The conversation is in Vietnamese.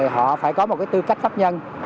họ phải có một tư cách pháp nhân